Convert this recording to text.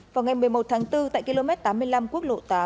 vào ngày một mươi một tháng bốn tại km tám mươi năm quốc lộ tám